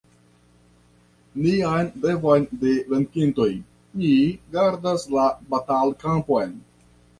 Nian devon de venkintoj: ni gardas la batalkampon!